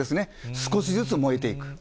少しずつ燃えていく。